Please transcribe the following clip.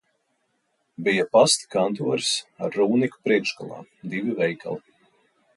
Bija pasta kantoris ar Rūniku priekšgalā, divi veikali.